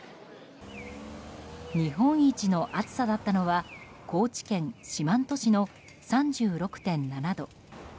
日本一の暑さだったのは高知県四万十市の３６．７度。